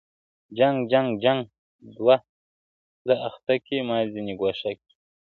o جنگ، جنگ، جنگ، دوه پله اخته کې، ما ځيني گوښه کې!